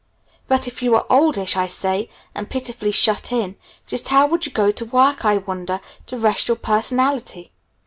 But if you were oldish, I say, and pitifully 'shut in', just how would you go to work, I wonder, to rest your personality?